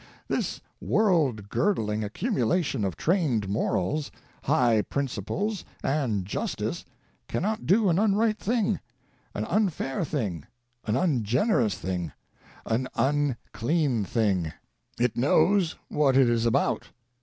This world girdling accumulation of trained morals, high principles, and justice, cannot do an unright thing, an. unfair thing, an ungenerous thing, an unclean thing. It knows what it is about.